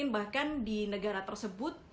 bahkan di negara tersebut